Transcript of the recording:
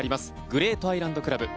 グレートアイランド倶楽部。